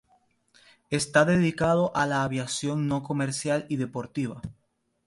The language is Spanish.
Está dedicado a la aviación no comercial y deportiva.